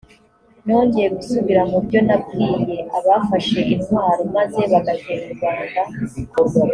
nongeye gusubira mu byo nabwiye abafashe intwaro maze bagatera u rwanda